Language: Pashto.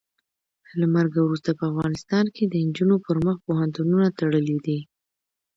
له مرګه وروسته په افغانستان کې د نجونو پر مخ پوهنتونونه تړلي دي.